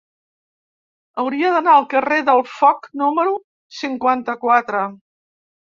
Hauria d'anar al carrer del Foc número cinquanta-quatre.